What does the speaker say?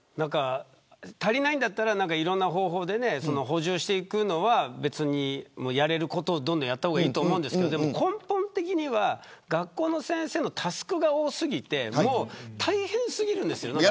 足りないならいろんな方法で補充していくのは、やれることをどんどんやった方がいいと思いますけど根本的には学校の先生のタスクが多すぎて大変すぎるんですよ。